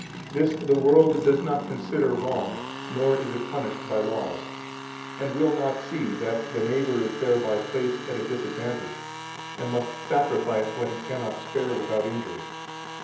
This the world does not consider wrong [nor is it punished by laws], and will not see that the neighbor is thereby placed at a disadvantage, and must sacrifice what he cannot spare without injury.